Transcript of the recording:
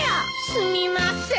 すみません。